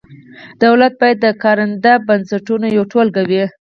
دولت باید د کارنده بنسټونو یوه ټولګه وي.